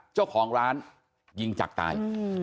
เจ้าของร้านยิงจักรตาย